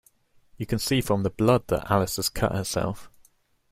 You can see from the blood that Alice has cut herself